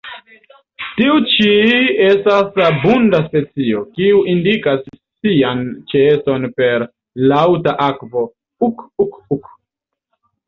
Tiu ĉi estas abunda specio, kiu indikas sian ĉeeston per laŭta alvoko "uk-uk-uk".